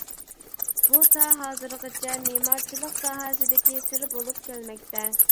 بۇ تا ھازىرغىچە مېمارچىلىق ساھەسىدىكى سىر بولۇپ كەلمەكتە.